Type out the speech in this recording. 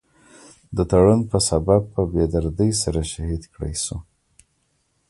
د تړون پۀ سبب پۀ بي دردۍ سره شهيد کړے شو ۔